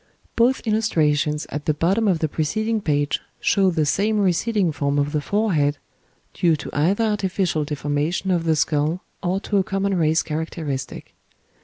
Both illustrations at the bottom of the preceding page show the same receding form of the forehead, due to either artificial deformation of the skull or to a common race characteristic.